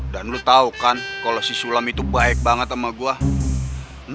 dan lu tau kan kalau si sulam itu baik banget sama gue